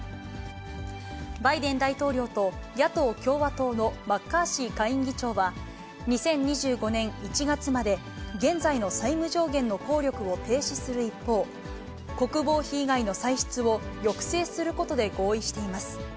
バイデン大統領と野党・共和党のマッカーシー下院議長は、２０２５年１月まで、現在の債務上限の効力を停止する一方、国防費以外の歳出を抑制することで合意しています。